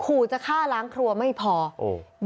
ขู่จะฆ่าล้างครัวไม่พอโอ้